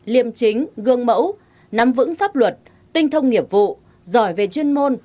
liêm chính gương mẫu nắm vững pháp luật tinh thông nghiệp vụ giỏi về chuyên môn